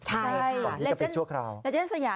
ใช่ตอนที่จะปิดชั่วคราว